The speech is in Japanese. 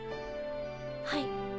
はい。